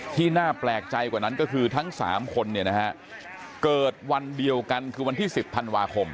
ที่น่าแปลกใจกว่านั้นก็คือทั้ง๓คนเกิดวันเดียวกันคือวันที่๑๐ธันวาคม